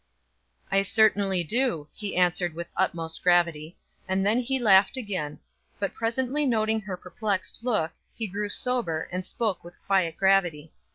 "I certainly do," he answered with the utmost gravity, and then he laughed again; but presently noting her perplexed look, he grew sober, and spoke with quiet gravity.